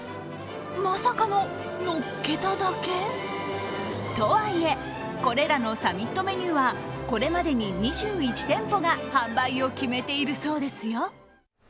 まさかの、乗っけただけ。とはいえ、これらのサミットメニューはこれまでに２１店舗が販売を決めているそうですよ。